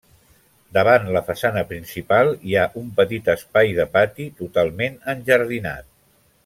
Davant la façana principal hi ha un petit espai de pati, totalment enjardinat.